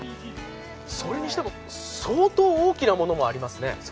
それにしても相当大きなものもありますね。